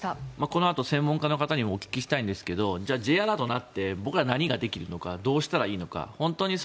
このあと専門家の方にもお聞きしたいんですがじゃあ、Ｊアラートが鳴って僕ら、何ができるのかどうしたらいいのか。